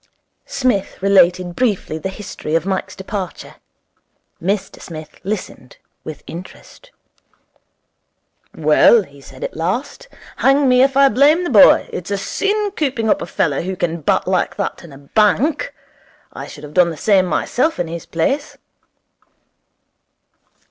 Psmith related briefly the history of Mike's departure. Mr Smith listened with interest. 'Well,' he said at last, 'hang me if I blame the boy. It's a sin cooping up a fellow who can bat like that in a bank. I should have done the same myself in his place.'